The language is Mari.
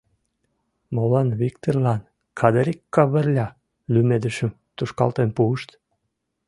Молан Виктырлан «Кадырик Кавырля» лӱмедышым тушкалтен пуышт?